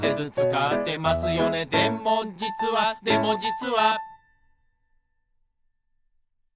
「でもじつはでもじつは」